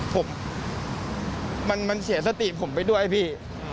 ผมมันเสียสติผมไปด้วยพี่